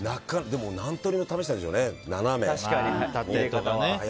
でも何とおりも試したんでしょうね。